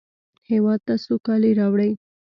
هېواد ته سوکالي راوړئ